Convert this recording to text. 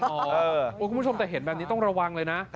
คุณผู้ชมแต่เห็นแบบนี้ต้องระวังเลยนะ